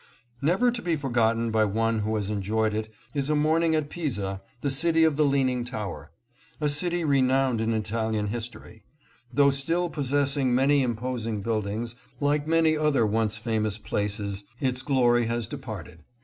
Never to be forgotten by one who has enjoyed it is a PISA AND ITS LEANING TOWER. 693 morning at Pisa, the city of the leaning tower ; a city renowned in Italian history. Though still possessing many imposing buildings, like many other once famous places its glory has departed.